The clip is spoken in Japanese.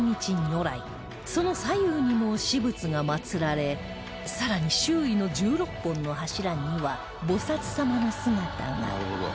その左右にも四仏が祭られさらに周囲の１６本の柱には菩薩様の姿が